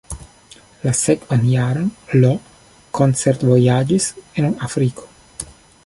La sekvan jaron Lo koncert-vojaĝis en Afriko.